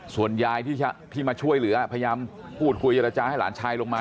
ส่วนยายที่มาช่วยเหลือพยายามพูดคุยเจรจาให้หลานชายลงมา